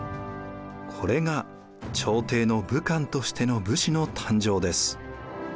これが朝廷の武官としての武士の誕生です。